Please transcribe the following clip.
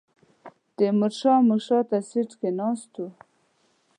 تیمور شاه مو شاته سیټ کې ناست و.